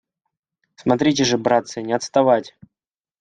- Смотрите же, братцы, не отставать!